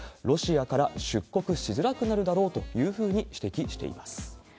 ロシアから出国しづらくなるだろうというふうに指摘しています。